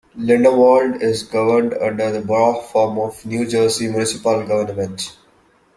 Lindenwold is governed under the Borough form of New Jersey municipal government.